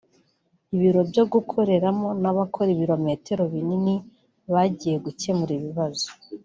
ibiro byo gukoreramo n’abakora ibirometero binini bagiye gukemura ibibazo